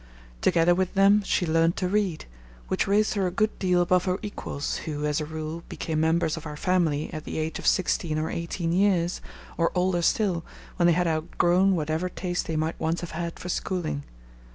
Together with them she learnt to read, which raised her a good deal above her equals, who, as a rule, became members of our family at the age of sixteen or eighteen years, or older still, when they had outgrown whatever taste they might once have had for schooling.